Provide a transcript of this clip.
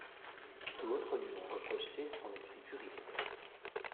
D'autres lui ont reproché son esprit puriste.